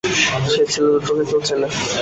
সেই ছেলে দুটোকে কেউ চেনে?